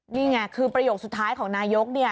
นี่ไงคือประโยคสุดท้ายของนายกเนี่ย